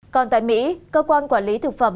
còn tại mỹ cơ quan quản lý thực phẩm